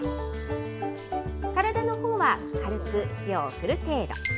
体のほうは、軽く塩を振る程度。